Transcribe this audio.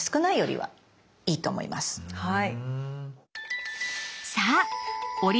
はい。